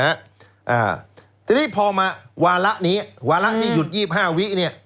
อ่าทีนี้พอมาวาระนี้วาระที่หยุดยี่ห้าวิเนี่ย